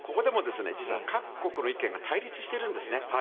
実は各国の意見が対立してるんですね。